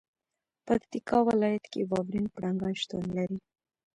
پکتیکا ولایت کې واورین پړانګان شتون لري.